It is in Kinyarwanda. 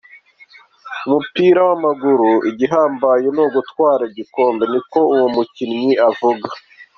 "Mu mupira w'amaguru, igihambaye ni gutwara igikombe," niko uwo mukinyi avuga.